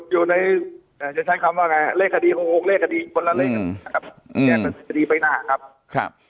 อยู่ในจะใช้คำว่าไงเลขดีโครกเลขดีคนละเลขดีไปหน้าครับ